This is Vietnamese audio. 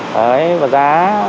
đấy và giá